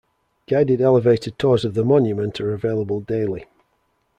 Guided elevator tours of the monument are available daily.